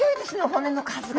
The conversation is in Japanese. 骨の数が。